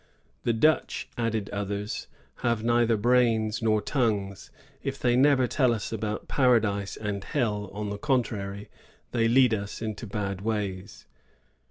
"The Dutch," added others, "have neither brains nor tongues ; they never tell us about paradise and hell ; on the contraiy, they lead us into bad ways."